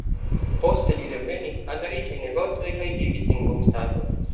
Poste li revenis al la riĉaj negocoj kaj vivis en bonstato.